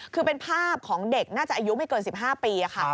คือเป็นภาพของเด็กน่าจะอายุไม่เกิน๑๕ปีค่ะ